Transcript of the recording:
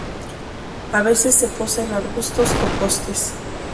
A veces se posa en arbustos o postes.